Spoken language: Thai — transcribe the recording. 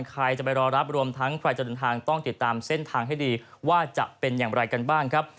ใครจะไปรอรับรวมทั้งใครจะเดินทางต้องติดตามเส้นทางให้ดีว่าจะเป็นอย่างไรกันบ้างครับ